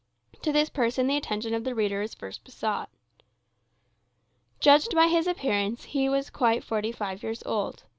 To this person the attention of the reader is first besought. Judged by his appearance, he was quite forty five years old.